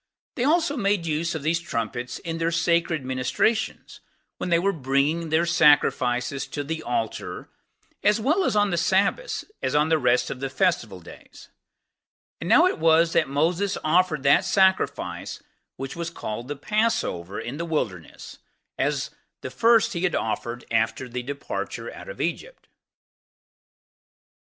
They also made use of these trumpets in their sacred ministrations, when they were bringing their sacrifices to the altar as well on the Sabbaths as on the rest of the [festival] days; and now it was that Moses offered that sacrifice which was called the Passover in the Wilderness, as the first he had offered after the departure out of Egypt.